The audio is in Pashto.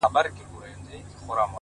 • او تاته زما د خپلولو په نيت،